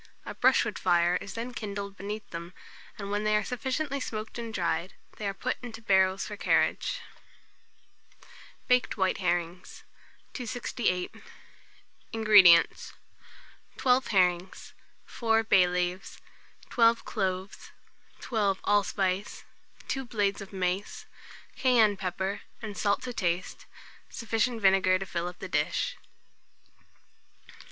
A brushwood fire is then kindled beneath them, and when they are sufficiently smoked and dried, they are put into barrels for carriage. BAKED WHITE HERRINGS. 268. INGREDIENTS. 12 herrings, 4 bay leaves, 12 cloves, 12 allspice, 2 small blades of mace, cayenne pepper and salt to taste, sufficient vinegar to fill up the dish.